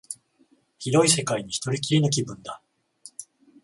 広い世界に一人きりの気分だ